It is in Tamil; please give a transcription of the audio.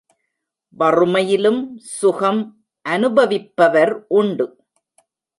வறுமையிலும் சுகம் அனுபவிப்பவர் உண்டு.